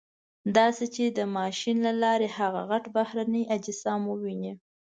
داسې چې د ماشین له لارې هغه غټ بهرني اجسام وویني.